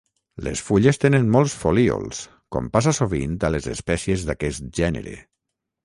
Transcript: Les fulles tenen molts folíols com passa sovint a les espècies d'aquest gènere.